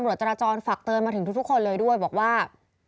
จราจรฝากเตือนมาถึงทุกคนเลยด้วยบอกว่า